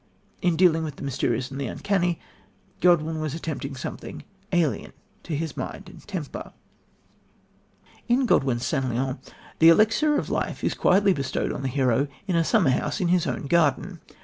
In dealing with the mysterious and the uncanny, Godwin was attempting something alien to his mind and temper. In Godwin's St. Leon the elixir of life is quietly bestowed on the hero in a summer house in his own garden.